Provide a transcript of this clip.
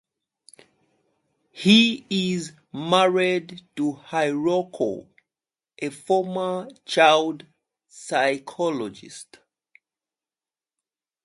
He is married to Hiroko, a former child psychologist.